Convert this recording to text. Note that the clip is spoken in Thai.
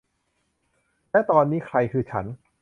และตอนนี้ ใครคือฉัน